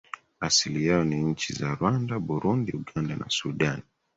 asili yao ni nchi za Rwanda Burundi Uganda na Sudan